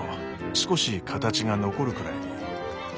少し形が残るくらいに。